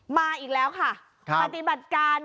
มาอีกแล้วค่ะปฏิบัติการ